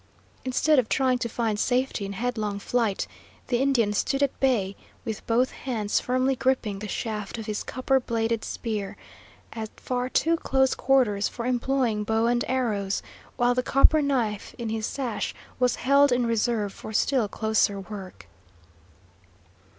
Instead of trying to find safety in headlong flight, the Indian stood at bay, with both hands firmly gripping the shaft of his copper bladed spear, at far too close quarters for employing bow and arrows, while the copper knife in his sash was held in reserve for still closer work.